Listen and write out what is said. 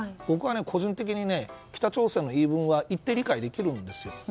僕は個人的には北朝鮮の言い分は理解できるんですよ。